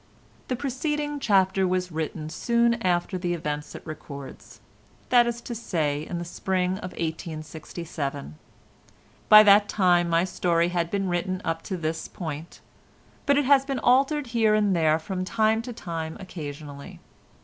The preceding chapter was written soon after the events it records—that is to say in the spring of 1867. By that time my story had been written up to this point; but it has been altered here and there from time to time occasionally.